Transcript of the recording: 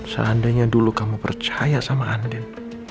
seandainya dulu kamu percaya sama andin